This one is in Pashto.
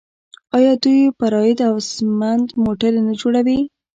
آیا دوی پراید او سمند موټرې نه جوړوي؟